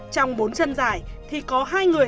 trong bốn chân dài thì có hai người